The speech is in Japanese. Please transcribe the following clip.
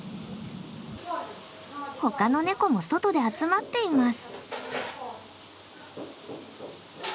ほかのネコも外で集まっています。